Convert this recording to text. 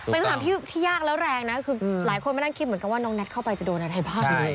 เป็นสถานที่ที่ยากแล้วแรงนะคือหลายคนมานั่งคิดเหมือนกันว่าน้องแท็ตเข้าไปจะโดนอะไรบ้าง